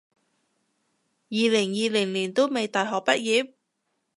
二零二零年都未大學畢業？